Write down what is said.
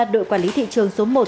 đội quản lý thị trường số một